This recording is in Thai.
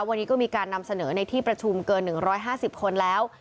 วันนี้ก็มีการนำเสนอในที่ประชุมเกิน๑๕๐คนแล้ว